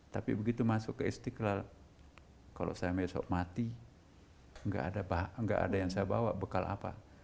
tapi begitu masuk ke istiqlal kalau saya besok mati nggak ada yang saya bawa bekal apa